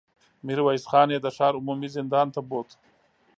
ميرويس خان يې د ښار عمومي زندان ته بوت.